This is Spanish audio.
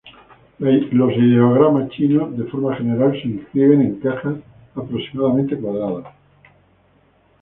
Los ideogramas chinos, de forma general, se inscriben en cajas aproximadamente cuadradas.